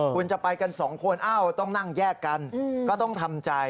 คุณจะไปกันสองคนต้องนั่งแยกกันก็ต้องทำใจ